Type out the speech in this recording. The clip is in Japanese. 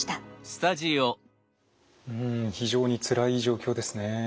うん非常につらい状況ですね。